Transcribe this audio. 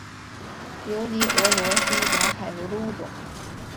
琉球峨螺是一种海螺的物种。